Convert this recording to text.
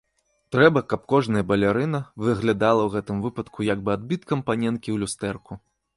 Трэба, каб кожная балерына выглядала ў гэтым выпадку як бы адбіткам паненкі ў люстэрку.